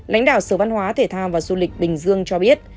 lãnh đạo sở văn hóa thể thao và du lịch bình dương cho biết